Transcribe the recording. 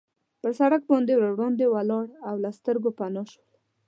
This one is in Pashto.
پر سړک باندې وړاندې ولاړل او له سترګو پناه شول.